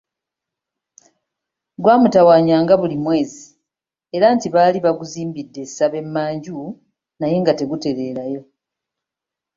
Gwamutawaanyanga buli mwezi era nti baali baguzimbidde essabo e manju naye nga tegutereerayo.